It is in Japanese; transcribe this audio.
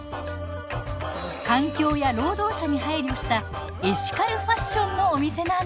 環境や労働者に配慮したエシカルファッションのお店なんです。